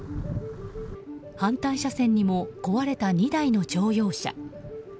反対車線にも壊れた２台の乗用車。